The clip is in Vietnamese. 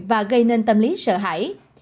và gây nên tâm lý sợ hãi